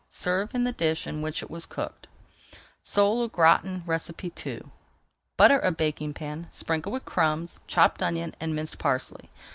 Serve in the dish in which it was cooked. SOLE AU GRATIN II Butter a baking pan, sprinkle with crumbs, chopped onion, and minced parsley.